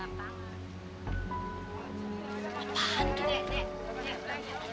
apaan tuh nek